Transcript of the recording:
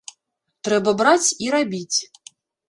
Трэба браць і рабіць.